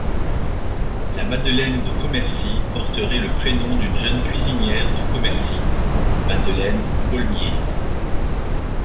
La madeleine de Commercy porterait le prénom d'une jeune cuisinière de Commercy, Madeleine Paulmier.